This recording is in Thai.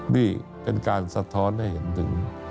นี่เป็นการสะท้อนให้เห็นถึง